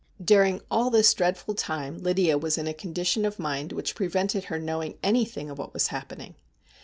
During all this dreadful time Lydia was in a condition of mind which prevented her knowing anything of what was happening.